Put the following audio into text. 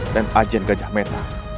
dan ajian gajah meta